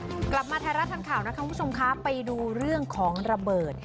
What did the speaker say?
กลับมาไทยรัฐทันข่าวนะคะคุณผู้ชมคะไปดูเรื่องของระเบิด